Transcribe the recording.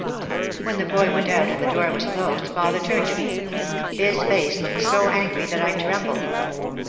When the boy went out and the door was closed father turned to me. His face looked so angry that I trembled.